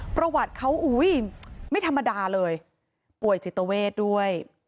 ประวัติเขาอุ้ยไม่ธรรมดาเลยป่วยจิตเวทด้วย